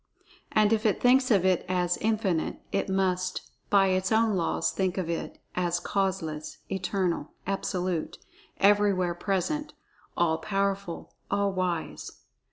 And if it thinks of It as "Infinite," it must, by its own laws, think of It as Causeless; Eternal; Absolute; Everywhere present; All Powerful; All Wise.